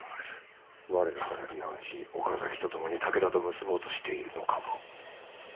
我らから離反し岡崎と共に武田と結ぼうとしているのかも。